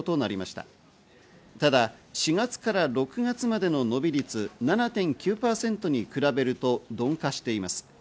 ただ、４月から６月までの伸び率７．９％に比べると鈍化しています。